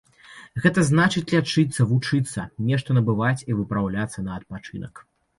Гэта значыць, лячыцца, вучыцца, нешта набываць і выпраўляцца на адпачынак.